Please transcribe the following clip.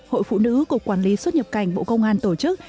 hội phụ nữ cục quản lý xuất nhập cảnh bộ công an tổ chức